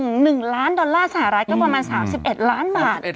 ๑ล้านดอลลาร์สหรัฐก็ประมาณ๓๑ล้านบาท